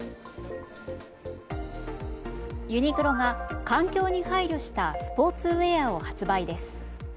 ユニクロが環境に配慮したスポーツウェアを発売です。